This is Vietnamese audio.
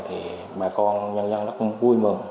thì bà con nhân dân rất vui mừng